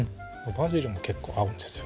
バジルも結構合うんですよ